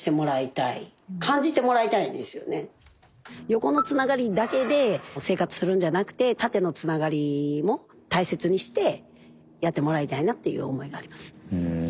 横のつながりだけで生活するんじゃなくて縦のつながりも大切にしてやってもらいたいなっていう思いがあります。